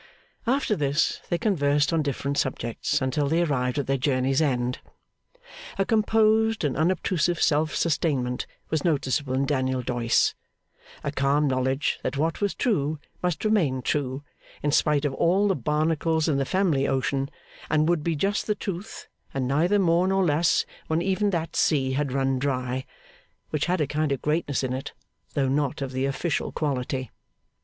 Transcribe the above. After this, they conversed on different subjects until they arrived at their journey's end. A composed and unobtrusive self sustainment was noticeable in Daniel Doyce a calm knowledge that what was true must remain true, in spite of all the Barnacles in the family ocean, and would be just the truth, and neither more nor less when even that sea had run dry which had a kind of greatness in it, though not of the official quality.